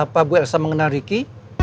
apa bu elsa mengenal riki